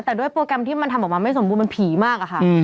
แต่ด้วยโปรแกรมที่มันทำออกมาไม่สมบูรณมันผีมากอะค่ะ